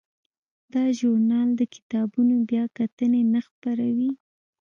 دا ژورنال د کتابونو بیاکتنې نه خپروي.